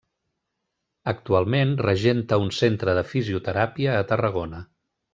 Actualment regenta un centre de fisioteràpia a Tarragona.